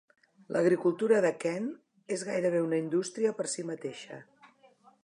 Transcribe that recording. L'agricultura de Kent és gairebé una indústria per si mateixa.